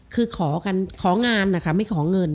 คือขอกันของานนะคะไม่ขอเงิน